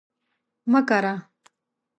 مه کره